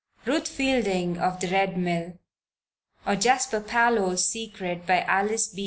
Ruth Fielding of the Red Mill or Jasper Parloe's Secret by Alice B.